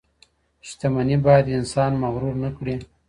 شتمني باید انسان مغرور نه کړي.